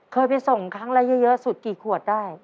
เคยไปส่งครั้งละเยอะสุดกี่ขวดได้